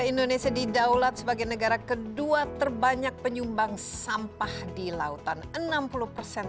indonesia di daulat sebagai negara kedua terbanyak penyumbang sampah di lautan